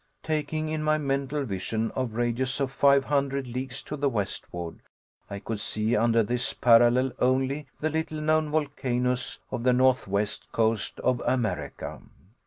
Taking in my mental vision a radius of five hundred leagues to the westward, I could see under this parallel only the little known volcanoes of the northwest coast of America.